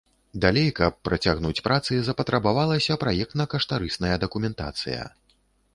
Далей, каб працягнуць працы, запатрабавалася праектна-каштарысная дакументацыя.